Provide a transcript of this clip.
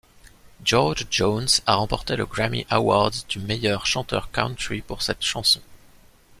George Jones a remporté le Grammy Award du meilleur chanteur country pour cette chanson.